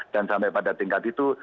sampai pada tingkat itu